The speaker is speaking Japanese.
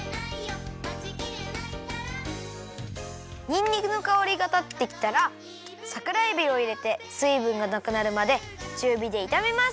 にんにくのかおりがたってきたらさくらえびをいれてすいぶんがなくなるまでちゅうびでいためます！